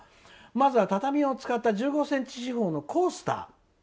まずは畳を使った１５ｃｍ四方のコースター。